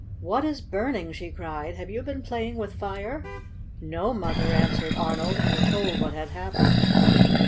"What is burning?" she cried. "Have you been playing with fire?" "No, Mother," answered Arnold, and he told what had happened.